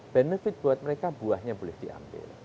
benefit buat mereka buahnya boleh diambil